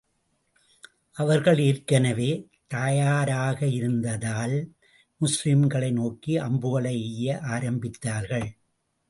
அவர்கள் ஏற்கனவே தயாராக இருந்ததால், முஸ்லிம்களை நோக்கி அம்புகளை எய்ய ஆரம்பித்தார்கள்.